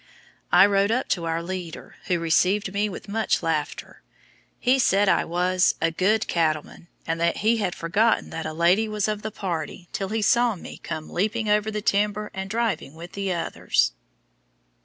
I rode up to our leader, who received me with much laughter. He said I was "a good cattleman," and that he had forgotten that a lady was of the party till he saw me "come leaping over the timber, and driving with the others."